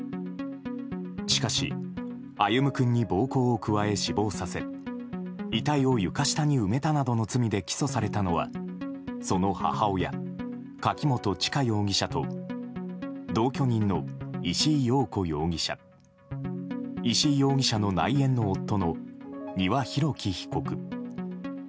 しかし、歩夢君に暴行を加え死亡させ遺体を床下に埋めたなどの罪で起訴されたのはその母親・柿本知香容疑者と同居人の石井陽子容疑者石井容疑者の内縁の夫の丹羽洋樹被告。